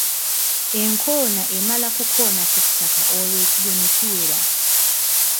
Enkoona emala kukoona ku ttaka olwo ekigwo ne kiwera.